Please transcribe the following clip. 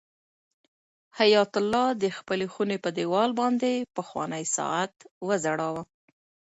حیات الله د خپلې خونې په دېوال باندې پخوانی ساعت وځړاوه.